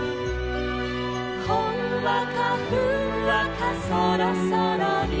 「ほんわかふんわかそろそろり」